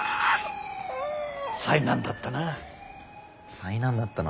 災難だったな。